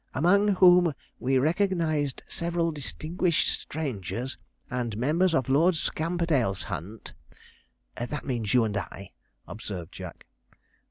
'"Among whom we recognized several distinguished strangers and members of Lord Scamperdale's hunt." That means you and I,' observed Jack.